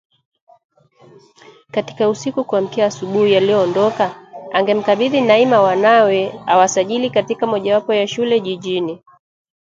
Katika usiku kuamkia asubuhi aliyoondoka, angemkabidhi Naima wanawe, awasajili katika mojawapo ya shule jijini